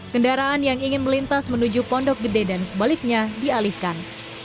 kendaraan yang ingin melintas menuju pondok gede dan sebaliknya dialihkan